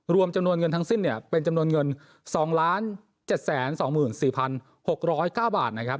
รวมจำนวนเงินทั้งสิ้นเนี่ยเป็นจำนวนเงิน๒๗๒๔๖๐๙บาทนะครับ